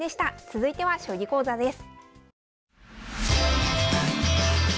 続いては将棋講座です。